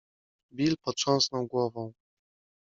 Bill potrząsnął głową.